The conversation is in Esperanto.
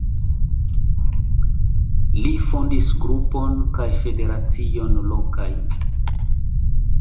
Li fondis grupon kaj federacion lokajn.